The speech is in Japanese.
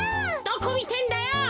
どこみてんだよ！